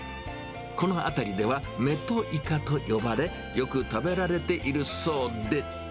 この辺りでは、メトイカと呼ばれ、よく食べられているそうで。